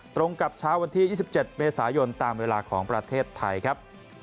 ตรงกับเช้าวันที่๒๗เมษายนตามเวลาของประเทศไทยครับ